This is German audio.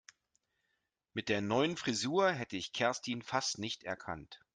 Mit der neuen Frisur hätte ich Kerstin fast nicht erkannt.